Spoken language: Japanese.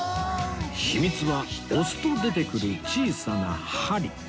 秘密は押すと出てくる小さな針